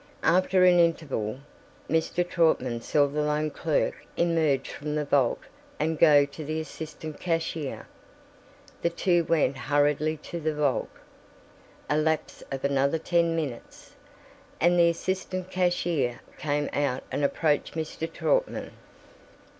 After an interval, Mr. Trautman saw the loan clerk emerge from the vault and go to the assistant cashier: the two went hurriedly to the vault. A lapse of another ten minutes, and the assistant cashier came out and approached Mr. Trautman.